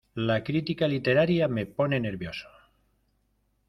¡La crítica literaria me pone nervioso!